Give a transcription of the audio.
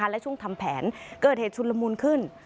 และช่วงทำแผนเกิดเหตุชุนละมุนขึ้น